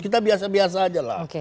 kita biasa biasa aja lah